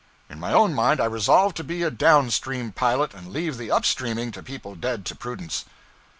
In my own mind I resolved to be a down stream pilot and leave the up streaming to people dead to prudence.